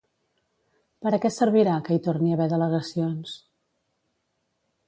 Per a què servirà que hi torni a haver delegacions?